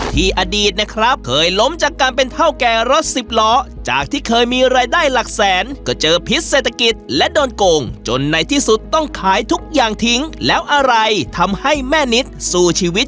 อดีตนะครับเคยล้มจากการเป็นเท่าแก่รถสิบล้อจากที่เคยมีรายได้หลักแสนก็เจอพิษเศรษฐกิจและโดนโกงจนในที่สุดต้องขายทุกอย่างทิ้งแล้วอะไรทำให้แม่นิดสู้ชีวิต